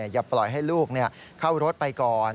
อย่าปล่อยให้ลูกเข้ารถไปก่อน